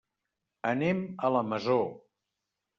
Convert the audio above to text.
Anem a la Masó.